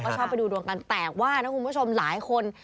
ชอบไปดูดวงกันแตกว่านะคุณผู้ชมหลายคน